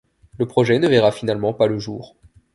Le projet ne verra finalement pas le jour.